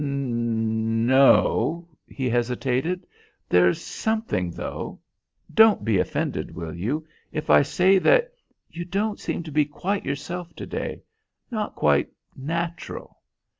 "N no," he hesitated. "There's something, though. Don't be offended, will you, if I say that you don't seem to be quite yourself to day; not quite natural.